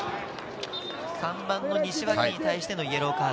３番の西脇に対してのイエローカード。